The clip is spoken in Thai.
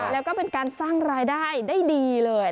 แล้วก็เป็นการสร้างรายได้ได้ดีเลย